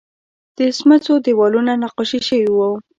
د سمڅو دیوالونه نقاشي شوي وو